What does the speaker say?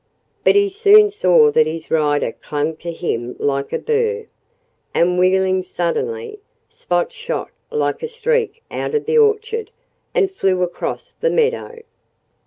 But he soon saw that his rider clung to him like a burr. And wheeling suddenly, Spot shot like a streak out of the orchard and flew across the meadow.